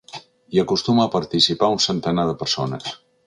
Hi acostuma a participar un centenar de persones.